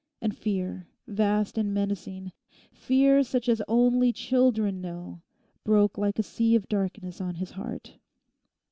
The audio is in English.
And fear, vast and menacing, fear such as only children know, broke like a sea of darkness on his heart.